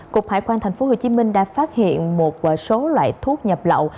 cục hải quan thành phố hồ chí minh đã phát hiện một số loại thuốc nhập lậu